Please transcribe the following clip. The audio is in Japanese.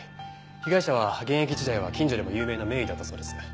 被害者は現役時代は近所でも有名な名医だったそうです。